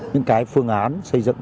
những cái phương án xây dựng